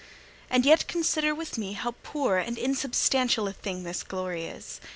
And yet consider with me how poor and unsubstantial a thing this glory is!